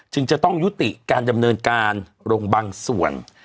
จึงจะต้องยุติการดำเนินการลงบางส่วน